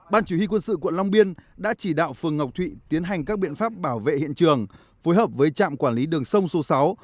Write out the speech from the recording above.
ban chỉ huy quân sự quận long biên đã chỉ đạo phường ngọc thụy tiến hành các biện pháp bảo vệ hiện trường phối hợp với trạm quản lý đường sông số sáu